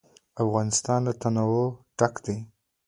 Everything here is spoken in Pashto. افغانستان له تنوع ډک دی.